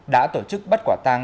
đã tổ chức bắt quả tàng